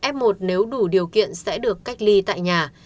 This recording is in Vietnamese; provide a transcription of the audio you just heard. f một nếu đủ điều kiện sẽ được cách ly tại nhà